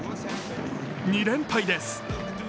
２連敗です。